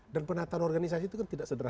dan penataan organisasi itu kan tidak setidaknya